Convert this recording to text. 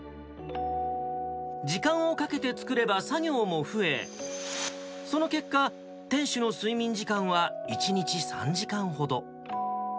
時間をかけて作れば作業も増え、その結果、店主の睡眠時間は１日３時間ほど。